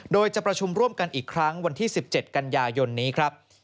โดยจะประชุมร่วมกันอีกครั้งวันที่๑๗กันยายนนี้ครับ